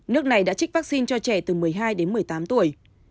nước này đã trích vaccine cho trẻ từ một mươi hai đến một mươi tám tuổi